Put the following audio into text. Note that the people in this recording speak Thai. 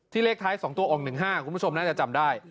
เลขท้าย๒ตัวองค์๑๕คุณผู้ชมน่าจะจำได้